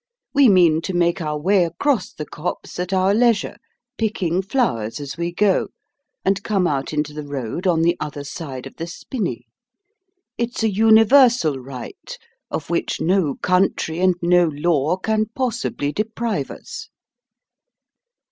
We mean to make our way across the copse at our leisure, picking flowers as we go, and come out into the road on the other side of the spinney. It's a universal right of which no country and no law can possibly deprive us."